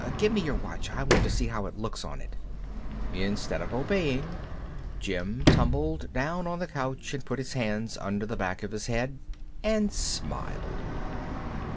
Give me your watch. I want to see how it looks on it." Instead of obeying, Jim tumbled down on the couch and put his hands under the back of his head and smiled.